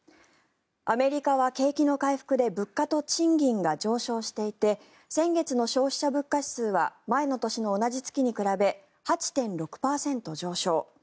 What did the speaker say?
アメリカは景気の回復で物価と賃金が上昇していて先月の消費者物価指数は前の年の同じ月に比べ８．６％上昇。